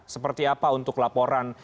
seperti apa untuk laporan